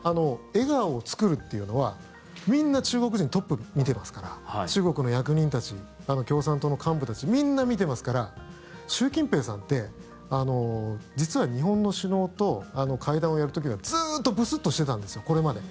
笑顔を作るっていうのはみんな中国人トップを見ていますから中国の役人たち共産党の幹部たちみんな見てますから習近平さんって実は日本の首脳と会談をやる時はずっとブスッとしてたんですよこれまで。